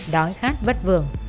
đói khát vất vường